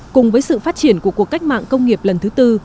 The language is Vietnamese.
cùng với sự phát triển của cuộc cách mạng công nghiệp lần thứ tư